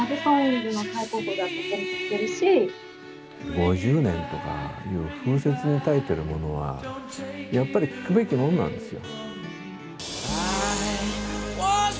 ５０年とかいう風雪に耐えているものは、やっぱり聴くべきものなんですよ。